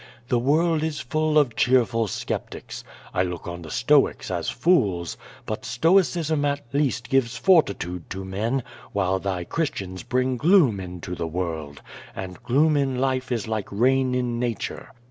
The world is full of cheerful sceptics. I look on the Stoics as fools, but Stoic QCO VADH^. J4I ism at least gives fortitude to men, while thy Christians bring gloom into the world, and gloom in life is like rain in nature.